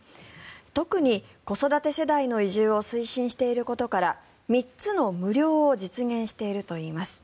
特に子育て世代の移住を推進していることから３つの無料を実現しているといいます。